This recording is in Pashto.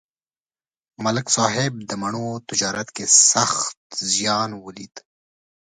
ملک صاحب د مڼو تجارت کې سخت زیان ولید